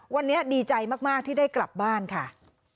วันนี้ดีใจมากที่ได้กลับบ้านค่ะ